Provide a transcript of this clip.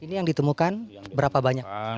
ini yang ditemukan berapa banyak